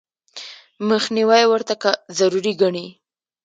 مخنیوي ورته ضروري ګڼي.